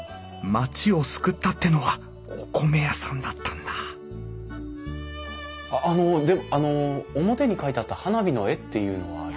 町を救ったってのはお米屋さんだったんだあっあの表に描いてあった花火の絵っていうのは？